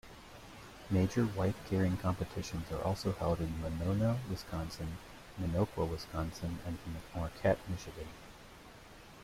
Major wife-carrying competitions are also held in Monona, Wisconsin, Minocqua, Wisconsin and Marquette, Michigan.